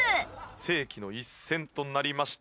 世紀の一戦となりました。